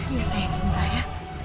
iya sayang sebentar ya